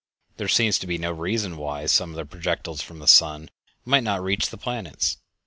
There seems to be no reason why some of the projectiles from the sun might not reach the planets.